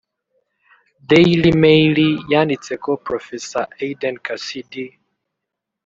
Daily Maily yanditse ko Professor Aedin Cassidy